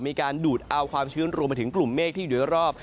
มีการดูดเอาความชื้นรวมไปถึงกลุ่มเมฆที่อยู่รอบ